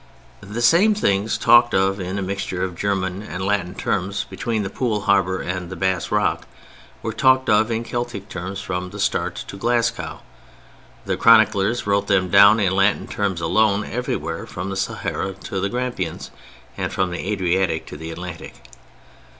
The same things, talked of in a mixture of Germanic and Latin terms between Poole Harbour and the Bass Rock, were talked of in Celtic terms from the Start to Glasgow; the chroniclers wrote them down in Latin terms alone everywhere from the Sahara to the Grampians and from the Adriatic to the Atlantic.